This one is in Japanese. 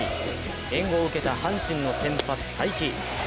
援護を受けた阪神の先発、才木。